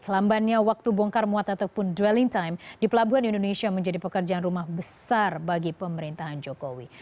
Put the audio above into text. lambannya waktu bongkar muat ataupun dwelling time di pelabuhan indonesia menjadi pekerjaan rumah besar bagi pemerintahan jokowi